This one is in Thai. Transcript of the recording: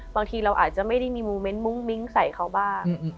บางทีเราอาจจะไม่ได้มีโมเมนต์มุ้งมิ้งใส่เขาบ้าง